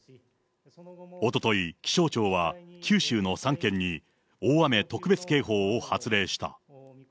おととい、気象庁は九州の３県に、大雨特別警報を発令した。